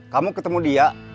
kamu ketemu dia